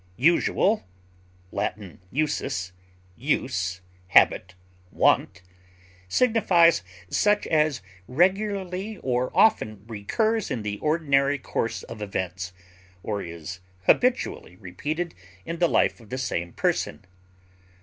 Usual (L. usus, use, habit, wont) signifies such as regularly or often recurs in the ordinary course of events, or is habitually repeated in the life of the same person.